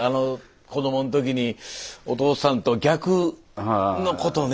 子どもの時にお父さんと逆のことをね。